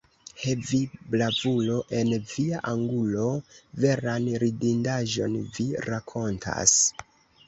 He, vi, bravulo en via angulo, veran ridindaĵon vi rakontas!